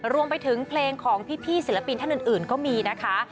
รวมไปถึงเพลงของพี่ศิลปินท่านอื่นก็มีนะคะ